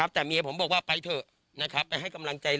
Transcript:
ปู่มหาหมุนีบอกว่าตัวเองอสูญที่นี้ไม่เป็นไรหรอก